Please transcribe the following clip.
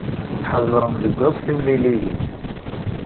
Tḥeddṛem deg wakk timliliyin.